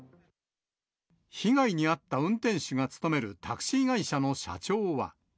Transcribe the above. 被害に遭った運転手が勤めるタクシー会社の社長は。